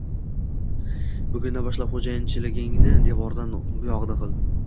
Bugundan boshlab xoʻjayinchiligingni devordan buyogʻida qil.